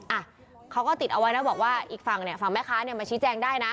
อ่ะเขาก็ติดเอาไว้นะบอกว่าอีกฝั่งเนี่ยฝั่งแม่ค้าเนี่ยมาชี้แจงได้นะ